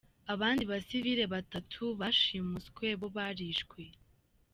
Abandi basivili batatu bashimuswe bo barishwe.